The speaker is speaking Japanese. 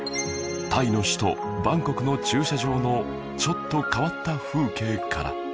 タイの首都バンコクの駐車場のちょっと変わった風景から